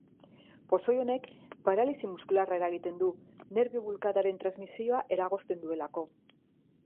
Pozoi honek paralisi muskularra eragiten du, nerbio-bulkadaren transmisioa eragozten duelako.